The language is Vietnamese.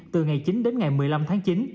từ ngày chín đến ngày một mươi năm tháng chín